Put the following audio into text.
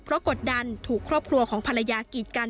เพราะกดดันถูกครอบครัวของภรรยากีดกัน